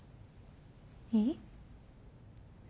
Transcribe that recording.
いい？